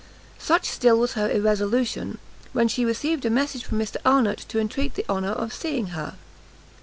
Such still was her irresolution, when she received a message from Mr Arnott to entreat the honour of seeing her.